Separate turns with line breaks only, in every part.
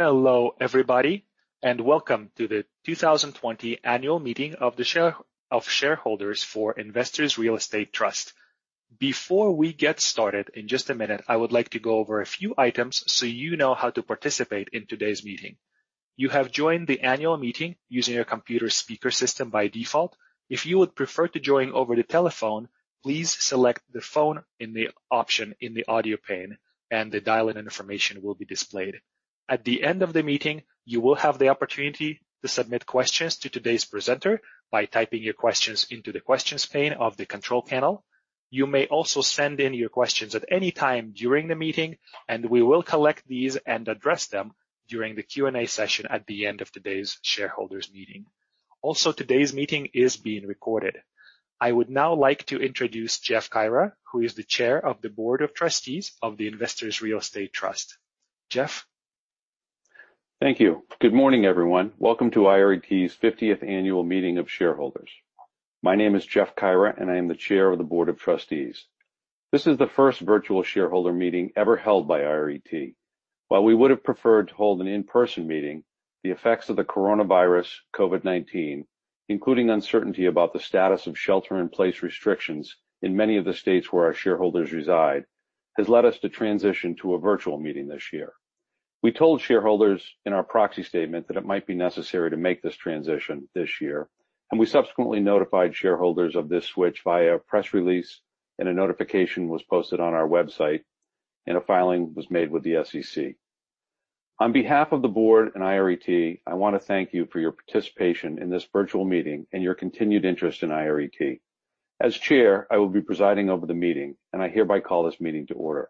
Hello everybody, and welcome to the 2020 annual meeting of shareholders for Investors Real Estate Trust. Before we get started in just a minute, I would like to go over a few items so you know how to participate in today's meeting. You have joined the annual meeting using your computer speaker system by default. If you would prefer to join over the telephone, please select the phone in the option in the audio pane, and the dial-in information will be displayed. At the end of the meeting, you will have the opportunity to submit questions to today's presenter by typing your questions into the questions pane of the control panel. You may also send in your questions at any time during the meeting, and we will collect these and address them during the Q&A session at the end of today's shareholders meeting. Also, today's meeting is being recorded. I would now like to introduce Jeff Caira, who is the Chair of the Board of Trustees of the Investors Real Estate Trust. Jeff?
Thank you. Good morning, everyone. Welcome to IRET's 50th annual meeting of shareholders. My name is Jeff Caira, and I am the Chair of the Board of Trustees. This is the first virtual shareholder meeting ever held by IRET. While we would have preferred to hold an in-person meeting, the effects of the COVID-19, including uncertainty about the status of shelter in place restrictions in many of the states where our shareholders reside, has led us to transition to a virtual meeting this year. We told shareholders in our proxy statement that it might be necessary to make this transition this year. We subsequently notified shareholders of this switch via press release. A notification was posted on our website. A filing was made with the SEC. On behalf of the board and IRET, I want to thank you for your participation in this virtual meeting and your continued interest in IRET. As Chair, I will be presiding over the meeting, and I hereby call this meeting to order.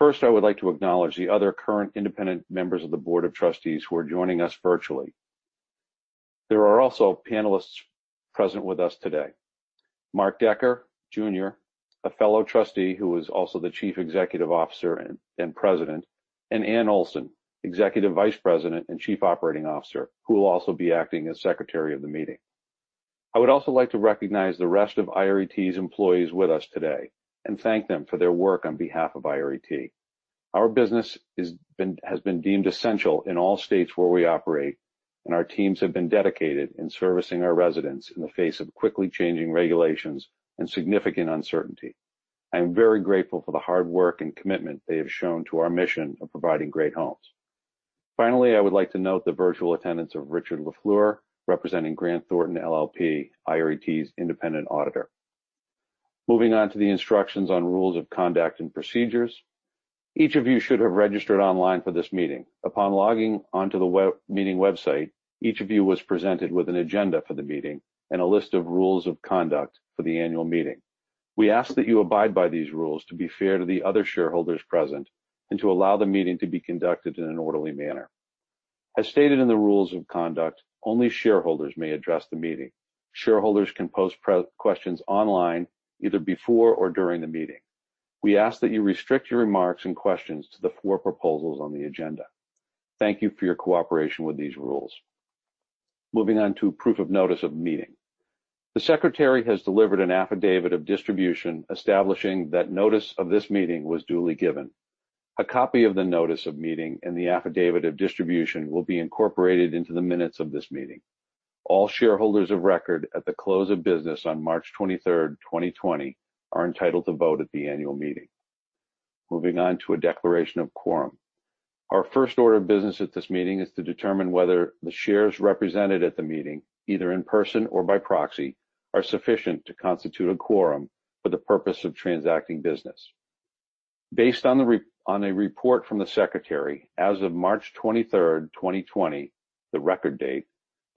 First, I would like to acknowledge the other current independent members of the board of trustees who are joining us virtually. There are also panelists present with us today. Mark Decker, Jr., a fellow trustee who is also the Chief Executive Officer and President, and Anne Olson, Executive Vice President and Chief Operating Officer, who will also be acting as Secretary of the Meeting. I would also like to recognize the rest of IRET's employees with us today and thank them for their work on behalf of IRET. Our business has been deemed essential in all states where we operate, and our teams have been dedicated in servicing our residents in the face of quickly changing regulations and significant uncertainty. I am very grateful for the hard work and commitment they have shown to our mission of providing great homes. Finally, I would like to note the virtual attendance of Richard LaFleur, representing Grant Thornton LLP, IRET's independent auditor. Moving on to the instructions on rules of conduct and procedures. Each of you should have registered online for this meeting. Upon logging onto the meeting website, each of you was presented with an agenda for the meeting and a list of rules of conduct for the annual meeting. We ask that you abide by these rules to be fair to the other shareholders present and to allow the meeting to be conducted in an orderly manner. As stated in the rules of conduct, only shareholders may address the meeting. Shareholders can post questions online either before or during the meeting. We ask that you restrict your remarks and questions to the four proposals on the agenda. Thank you for your cooperation with these rules. Moving on to proof of notice of meeting. The secretary has delivered an affidavit of distribution establishing that notice of this meeting was duly given. A copy of the notice of meeting and the affidavit of distribution will be incorporated into the minutes of this meeting. All shareholders of record at the close of business on March 23rd, 2020 are entitled to vote at the annual meeting. Moving on to a declaration of quorum. Our first order of business at this meeting is to determine whether the shares represented at the meeting, either in person or by proxy, are sufficient to constitute a quorum for the purpose of transacting business. Based on a report from the secretary, as of March 23rd, 2020, the record date,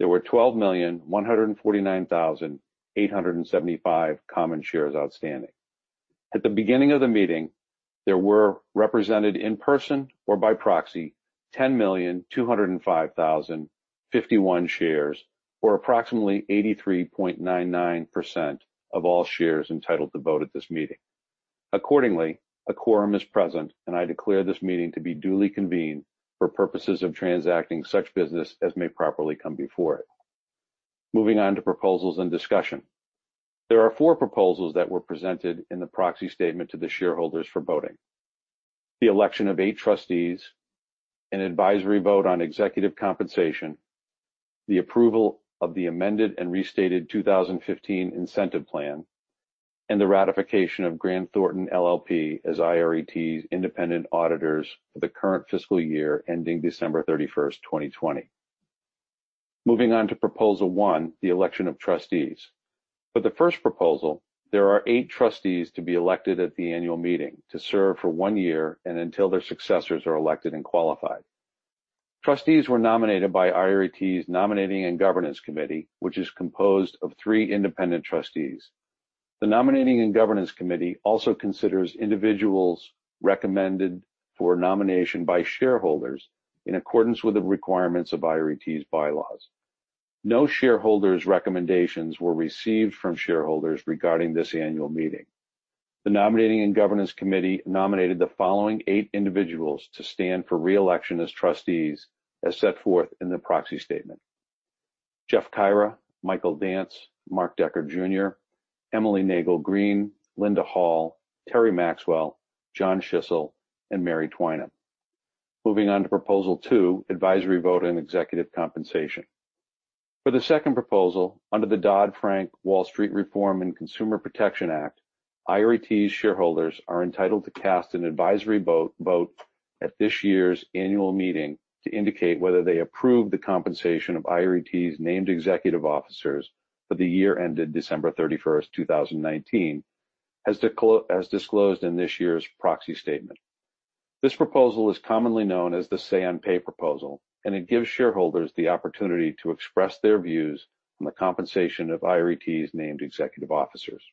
there were 12,149,875 common shares outstanding. At the beginning of the meeting, there were represented in person or by proxy 10,205,051 shares, or approximately 83.99% of all shares entitled to vote at this meeting. A quorum is present, and I declare this meeting to be duly convened for purposes of transacting such business as may properly come before it. Moving on to proposals and discussion. There are four proposals that were presented in the proxy statement to the shareholders for voting. The election of eight trustees, an advisory vote on executive compensation, the approval of the amended and restated 2015 Incentive Plan, the ratification of Grant Thornton LLP as IRET's independent auditors for the current fiscal year ending December 31st, 2020. Moving on to proposal one, the election of trustees. For the first proposal, there are eight trustees to be elected at the annual meeting to serve for one year and until their successors are elected and qualified. Trustees were nominated by IRET's Nominating and Governance Committee, which is composed of three independent trustees. The Nominating and Governance Committee also considers individuals recommended for nomination by shareholders in accordance with the requirements of IRET's bylaws. No shareholders' recommendations were received from shareholders regarding this annual meeting. The Nominating and Governance Committee nominated the following eight individuals to stand for re-election as trustees as set forth in the proxy statement, Jeff Caira, Michael Dance, Mark Decker, Jr., Emily Nagle Green, Linda Hall, Terry Maxwell, John Schissel, and Mary Twinem. Moving on to proposal two, advisory vote on executive compensation. For the second proposal, under the Dodd-Frank Wall Street Reform and Consumer Protection Act, IRET's shareholders are entitled to cast an advisory vote at this year's annual meeting to indicate whether they approve the compensation of IRET's named executive officers for the year ended December 31st, 2019, as disclosed in this year's proxy statement. This proposal is commonly known as the Say on Pay proposal, and it gives shareholders the opportunity to express their views on the compensation of IRET's named executive officers.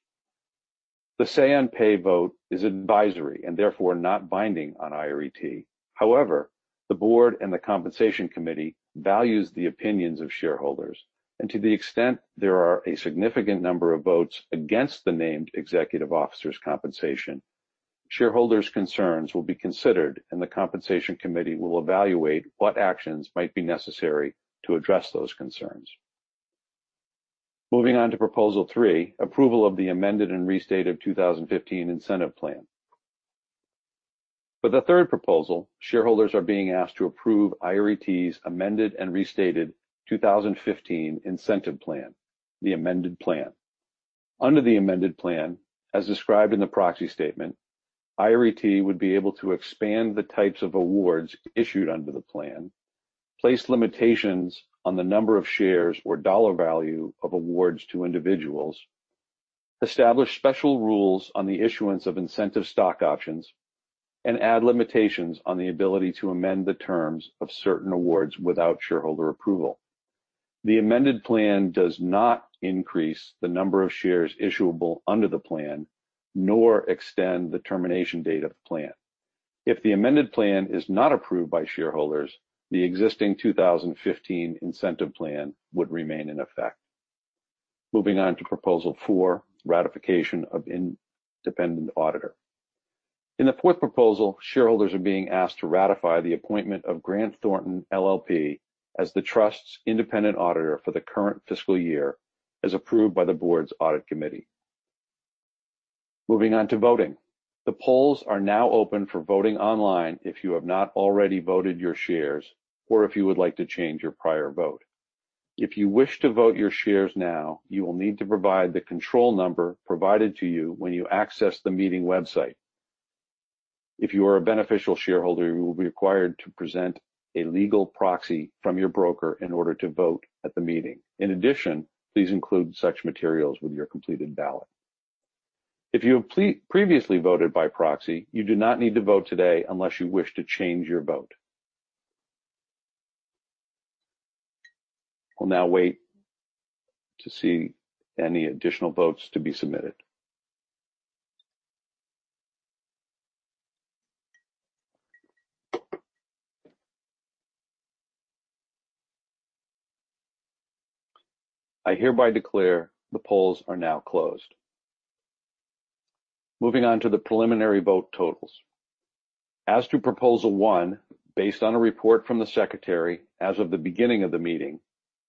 The Say on Pay vote is advisory and therefore not binding on IRET. However, the board and the Compensation Committee values the opinions of shareholders, and to the extent there are a significant number of votes against the named executive officers' compensation, shareholders' concerns will be considered, and the Compensation Committee will evaluate what actions might be necessary to address those concerns. Moving on to proposal three, approval of the amended and restated 2015 Incentive Plan. For the third proposal, shareholders are being asked to approve IRET's amended and restated 2015 Incentive Plan, the amended plan. Under the amended plan, as described in the proxy statement, IRET would be able to expand the types of awards issued under the plan, place limitations on the number of shares or dollar value of awards to individuals, establish special rules on the issuance of incentive stock options, and add limitations on the ability to amend the terms of certain awards without shareholder approval. The amended plan does not increase the number of shares issuable under the plan, nor extend the termination date of the plan. If the amended plan is not approved by shareholders, the existing 2015 Incentive Plan would remain in effect. Moving on to proposal four, ratification of independent auditor. In the fourth proposal, shareholders are being asked to ratify the appointment of Grant Thornton LLP as the Trust's independent auditor for the current fiscal year, as approved by the Board's Audit Committee. Moving on to voting. The polls are now open for voting online if you have not already voted your shares or if you would like to change your prior vote. If you wish to vote your shares now, you will need to provide the control number provided to you when you access the meeting website. If you are a beneficial shareholder, you will be required to present a legal proxy from your broker in order to vote at the meeting. In addition, please include such materials with your completed ballot. If you have previously voted by proxy, you do not need to vote today unless you wish to change your vote. We'll now wait to see any additional votes to be submitted. I hereby declare the polls are now closed. Moving on to the preliminary vote totals. As to proposal one, based on a report from the secretary, as of the beginning of the meeting,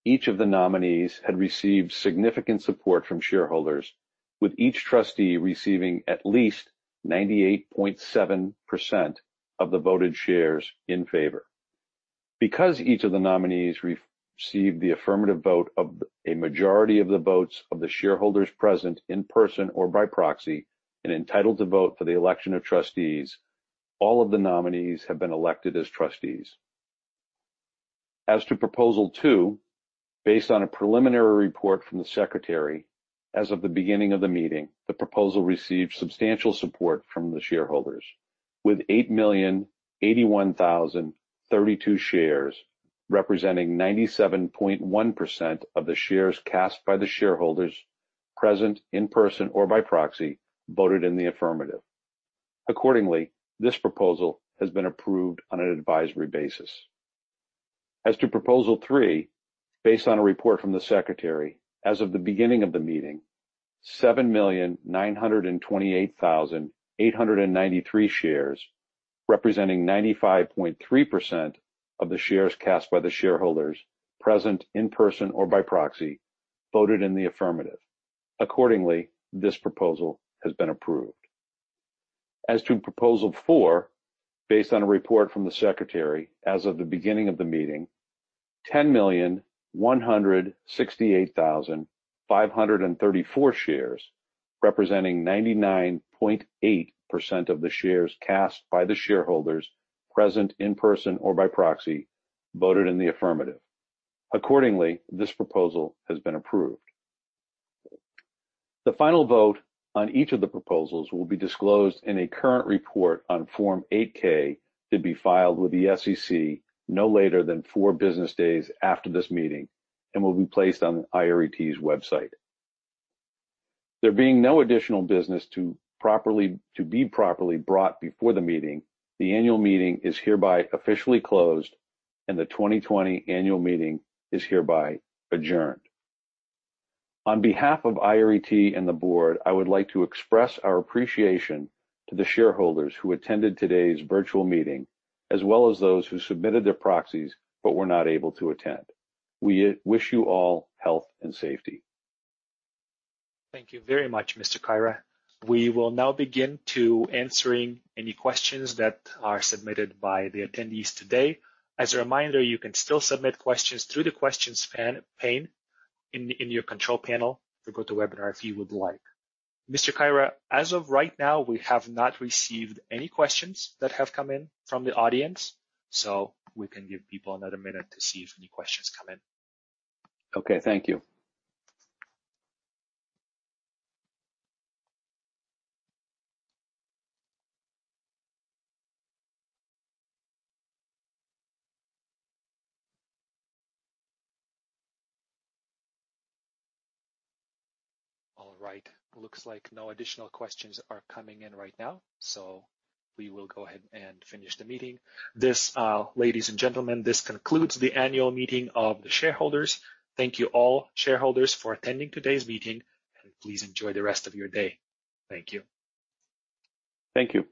each of the nominees had received significant support from shareholders, with each trustee receiving at least 98.7% of the voted shares in favor. Because each of the nominees received the affirmative vote of a majority of the votes of the shareholders present in person or by proxy and entitled to vote for the election of trustees, all of the nominees have been elected as trustees. As to proposal 2, based on a preliminary report from the secretary, as of the beginning of the meeting, the proposal received substantial support from the shareholders, with 8,081,032 shares, representing 97.1% of the shares cast by the shareholders present in person or by proxy voted in the affirmative. Accordingly, this proposal has been approved on an advisory basis. As to proposal 3, based on a report from the secretary, as of the beginning of the meeting, 7,928,893 shares, representing 95.3% of the shares cast by the shareholders present in person or by proxy, voted in the affirmative. Accordingly, this proposal has been approved. As to proposal four, based on a report from the secretary, as of the beginning of the meeting, 10,168,534 shares, representing 99.8% of the shares cast by the shareholders present in person or by proxy, voted in the affirmative. Accordingly, this proposal has been approved. The final vote on each of the proposals will be disclosed in a current report on Form 8-K to be filed with the SEC no later than four business days after this meeting and will be placed on IRET's website. There being no additional business to be properly brought before the meeting, the annual meeting is hereby officially closed, and the 2020 annual meeting is hereby adjourned. On behalf of IRET and the board, I would like to express our appreciation to the shareholders who attended today's virtual meeting, as well as those who submitted their proxies but were not able to attend. We wish you all health and safety.
Thank you very much, Mr. Caira. We will now begin to answering any questions that are submitted by the attendees today. As a reminder, you can still submit questions through the questions pane in your control panel for GoTo Webinar if you would like. Mr. Caira, as of right now, we have not received any questions that have come in from the audience, so we can give people another minute to see if any questions come in.
Okay. Thank you.
All right. Looks like no additional questions are coming in right now, so we will go ahead and finish the meeting. Ladies and gentlemen, this concludes the annual meeting of the shareholders. Thank you all shareholders for attending today's meeting, and please enjoy the rest of your day. Thank you.
Thank you.